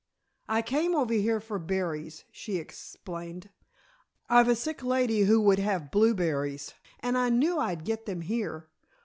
"I came over here for berries," she explained. "I've a sick lady who would have blueberries, and I knew I'd get them here.